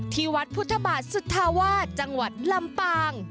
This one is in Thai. ที่วัดพุทธบาทสุธาวาสจังหวัดลำปาง